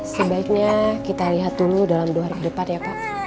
sebaiknya kita lihat dulu dalam dua hari ke depan ya pak